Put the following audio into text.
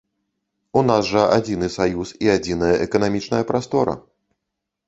У нас жа адзіны саюз і адзіная эканамічная прастора.